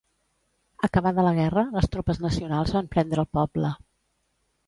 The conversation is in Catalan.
Acabada la guerra, les tropes nacionals van prendre el poble.